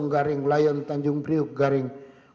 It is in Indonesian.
garing layan tanjung priuk garing satu ratus delapan puluh dua